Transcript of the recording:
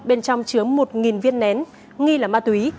bên trong chứa một viên nén nghi là ma túy